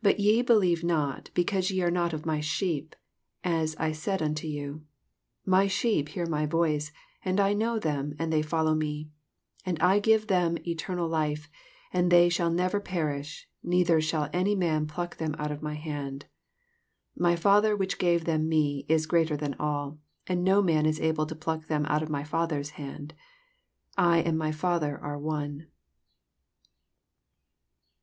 26 But ye believe not, because ye are not of my sheep, as I said unto you. 27 My sheep hear my voice, and I know them, and they follow me: ^^28 And I give unto them eternal life ; and they shall never perish, neith er shall any man pluck them out of my hand. 29 My Father which gave them me, is greater than all; and no man is able to pluck them out of my Father's hand. 30 I and my Father are one.